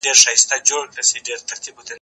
زه بايد موسيقي اورم؟!